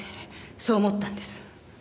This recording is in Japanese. そう思ったんです。